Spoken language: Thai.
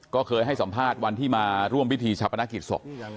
ก็เคยให้สัมภาษณ์วันที่มาร่วมพิธีชาปนกิจศพ